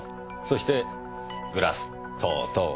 そしてグラス等々。